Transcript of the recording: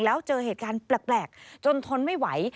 แล้วเจอเหตุการณ์แปลกจนทนไม่ไหว